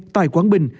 tại quảng bình